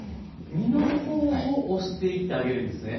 身の方を押していってあげるんですね。